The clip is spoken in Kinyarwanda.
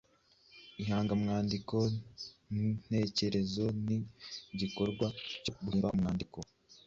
Ihangamwandiko ntekerezo ni igikorwa cyo guhimba umwandiko